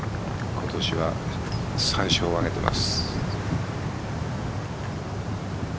今年は３勝上げてます。